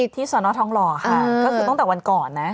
ที่สอนอทองหล่อค่ะก็คือตั้งแต่วันก่อนนะ